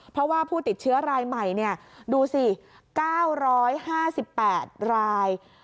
เพราะว่าผู้ติดเชื้อรายใหม่ดูสิ๙๕๘ราย